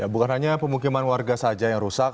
bukan hanya pemukiman warga saja yang rusak